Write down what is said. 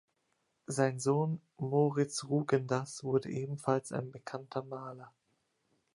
Sein Sohn Moritz Rugendas wurde ebenfalls ein bekannter Maler.